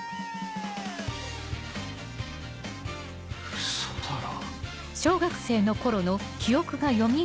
ウソだろ。